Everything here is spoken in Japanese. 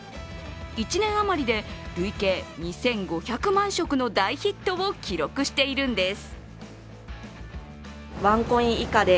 １年あまりで累計２５００万食の大ヒットを記録しているんです。